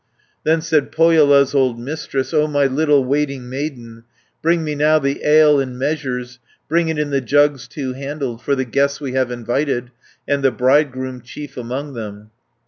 Then said Pohjola's old Mistress, "O my little waiting maiden, 240 Bring me now the ale in measures, Bring it in the jugs two handled, For the guests we have invited, And the bridegroom chief among them."